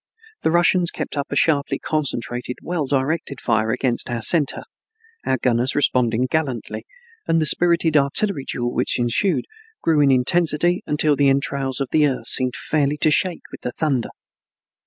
The Russians kept up a sharply concentrated, well directed fire against our center, our gunners responding gallantly, and the spirited artillery duel which ensued grew in intensity until the entrails of the earth seemed fairly to shake with the thunder.